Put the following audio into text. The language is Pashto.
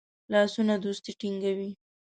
لاسونه دوستی ټینګوي